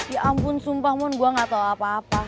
ya ampun sumpah pun gue gak tau apa apa